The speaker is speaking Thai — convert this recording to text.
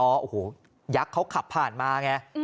โอ้โหยักษ์เขาขับผ่านมาไง